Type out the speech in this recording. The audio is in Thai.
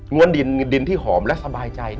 ้วนดินที่หอมและสบายใจ